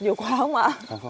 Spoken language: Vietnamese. nhiều quá không ạ